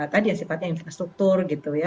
tadi ya sifatnya infrastruktur gitu ya